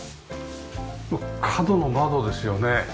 角の窓ですよね。